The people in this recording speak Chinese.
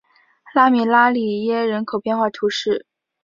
拉米拉里耶人口变化图示